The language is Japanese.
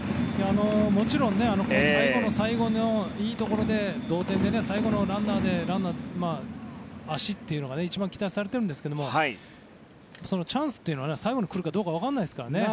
もちろん最後の最後のいいところで同点で最後のランナーで足っていうのが一番期待されているんですがチャンスというのは最後に来るか分かりませんから。